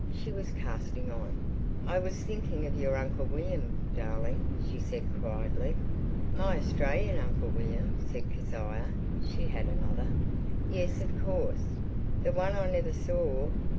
She was casting on. "I was thinking of your Uncle William, darling," she said quietly. "My Australian Uncle William?" said Kezia. She had another. "Yes, of course." "The one I never saw?"